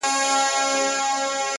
ستوري ډېوه سي .هوا خوره سي.